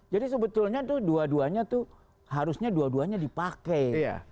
jadi sebetulnya itu dua duanya itu harusnya dua duanya dipakai